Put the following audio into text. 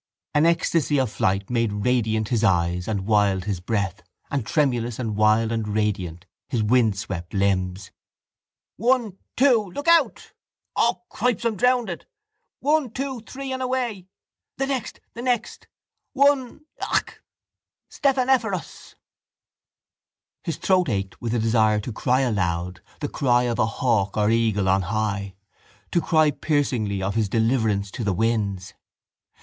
An ecstasy of flight made radiant his eyes and wild his breath and tremulous and wild and radiant his windswept limbs. —One! Two!... Look out! —O, Cripes, I'm drownded! —One! Two! Three and away! —The next! The next! —One!... Uk! —Stephaneforos! His throat ached with a desire to cry aloud, the cry of a hawk or eagle on high, to cry piercingly of his deliverance to the winds.